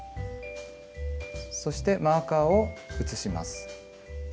そしてマーカーを移します。